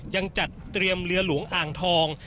ยังจัดเตรียมเรือหลวงอ่างทอง